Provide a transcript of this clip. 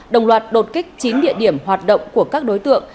đồng loạt đột kích chín địa điểm hoạt động của các đối tượng